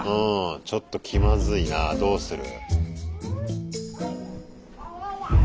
ちょっと気まずいなあどうする？